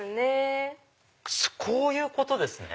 こういうことですね。